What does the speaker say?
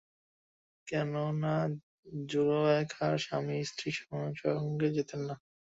কেননা, যুলায়খার স্বামী স্ত্রী সংসর্গে যেতেন না।